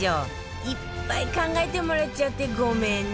いっぱい考えてもらっちゃってごめんね